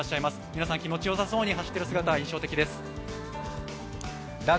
皆さん気持ちよさそうに走っているのが印象的です。